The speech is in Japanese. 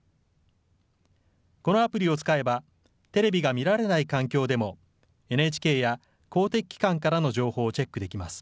このアプリを使えば、テレビが見られない環境でも、ＮＨＫや公的機関からの情報をチェックできます。